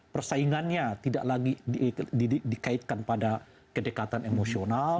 persaingannya tidak lagi dikaitkan pada kedekatan emosional